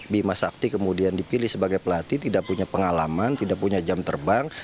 bima sakti kemudian dipilih sebagai pelatih tidak punya pengalaman tidak punya jam terbang